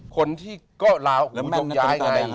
คนที่ก็ย้ายไง